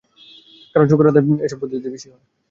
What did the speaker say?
কারণ শোকর আদায় এসব পদ্ধতিতেই হয়ে থাকে।